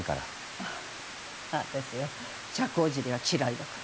あっ私は社交辞令は嫌いだから。